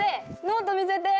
ノート見せて。